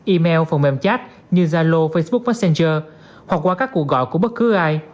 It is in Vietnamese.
email phần mềm chat như zalo facebook messenger hoặc qua các cuộc gọi của bất cứ ai